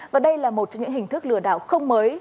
và đây là một trong những hình thức lừa đảo không mới